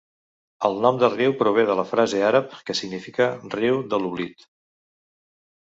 El nom del riu prové de la frase àrab que significa "riu de l'oblit".